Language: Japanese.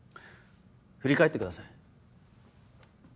振り返ってください。